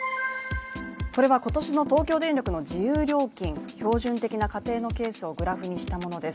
これは今年の東京電力の自由料金、標準的な家庭のケースをグラフにしたものです。